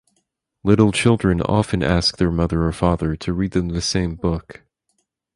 Little children often ask their mother or father to read them the same book.